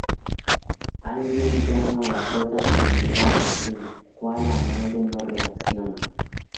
Alguien llama a la puerta principal del cual la madre no reacciona.